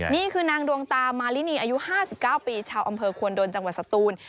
นี่คือนางดวงตามารินีอายุ๕๙ปีชาวอำเภอควนโดนจังหวัดสตูน